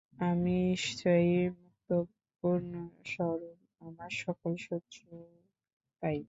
আমি নিশ্চয়ই মুক্ত পূর্ণস্বরূপ, আমার সকল শত্রুও তাই।